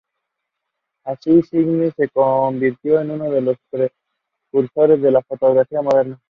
Así, Stieglitz se convirtió en uno de los precursores de la fotografía moderna.